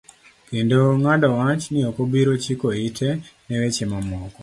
Kendo ng'ado wach ni okobiro chiko ite ne weche moko.